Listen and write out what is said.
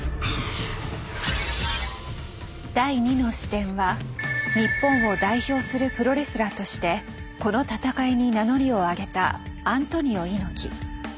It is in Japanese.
第２の視点は日本を代表するプロレスラーとしてこの戦いに名乗りを上げたアントニオ猪木。